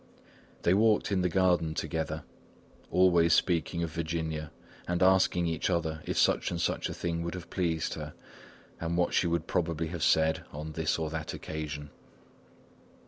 They walked in the garden together, always speaking of Virginia, and asking each other if such and such a thing would have pleased her, and what she would probably have said on this or that occasion.